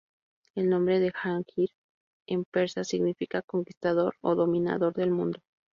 El nombre de Jahangir, en persa, significa conquistador o dominador del mundo.